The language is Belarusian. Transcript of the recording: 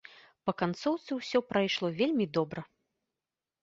Па канцоўцы ўсё прайшло вельмі добра.